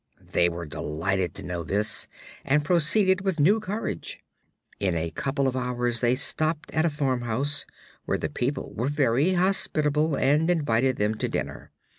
They were delighted to know this, and proceeded with new courage. In a couple of hours they stopped at a farmhouse, where the people were very hospitable and invited them to dinner.